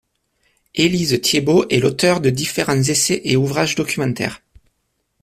Élise Thiébaut est l'auteure de différents essais et ouvrages documentaires.